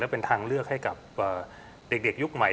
เป็นทางเลือกให้กับเด็กยุคใหม่